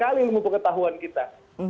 kasian sekali mumpung ketahuan kita